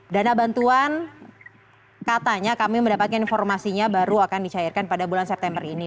dana bantuan katanya kami mendapatkan informasinya baru akan dicairkan pada bulan september ini